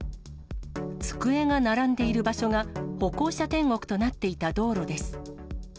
机が並んでいる場所が、歩行者天国となっていた道路です。